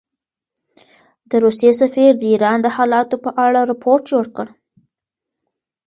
د روسیې سفیر د ایران د حالاتو په اړه رپوټ جوړ کړ.